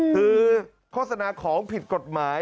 คือโฆษณาของผิดกฎหมาย